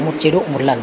một chế độ một lần